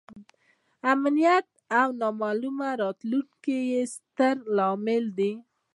امنیت او نامعلومه راتلونکې یې ستر لامل دی.